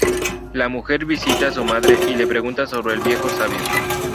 La mujer visita a su madre y le pregunta sobre el viejo sabio.